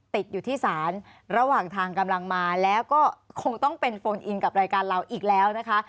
ติดอยู่ที่ศาลระหว่างทางกำลังมาแล้วก็คงต้องเป็นโฟนอินกับรายการเราอีกแล้วนะคะ